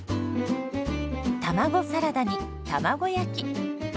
卵サラダに卵焼き。